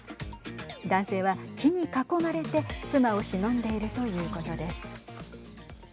男性は木に囲まれて妻をしのんでいるということです。